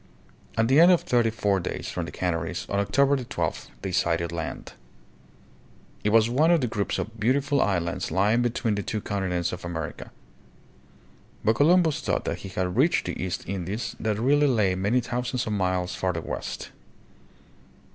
At the end of thirty four days from the Canaries, on October 12, they sighted land. It was one of the groups of beautiful islands lying between the two continents of America. But Columbus thought that he had reached the East Indies that really lay many thousands of miles farther west.